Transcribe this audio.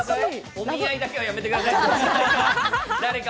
お見合いだけはやめてください。